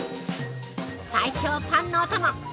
最強パンのお供。